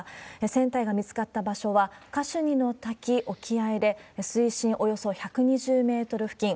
船体が見つかった場所はカシュニの滝沖合で、水深およそ１２０メートル付近。